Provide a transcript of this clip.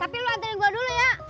tapi lu anterin gua dulu ya